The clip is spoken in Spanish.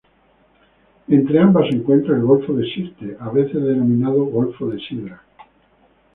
Entre ambas se encuentra el golfo de Sirte, a veces denominado golfo de Sidra.